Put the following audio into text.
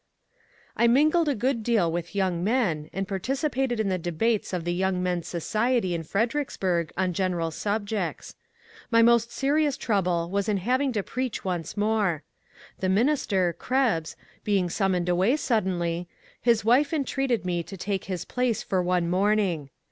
I mingled a good deal with young men, and participated in the debates of the Young Men's Society in Fredericksburg on general subjects. My most serious trouble was in having to preach once more. The minister (Krebs) being summoned away suddenly, his wife entreated me to take his place for one morning.